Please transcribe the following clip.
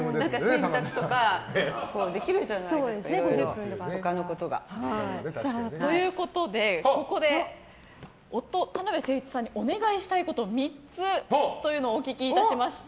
洗濯とかできるじゃないですかいろいろ他のことが。ということでここで夫：田辺誠一さんにお願いしたいこと、３つをお聞きいたしました。